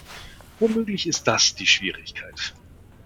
Womöglich ist das die Schwierigkeit.